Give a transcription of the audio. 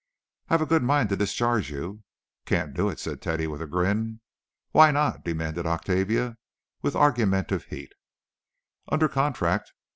"I've a good mind to discharge you." "Can't do it," said Teddy, with a grin. "Why not?" demanded Octavia, with argumentative heat. "Under contract.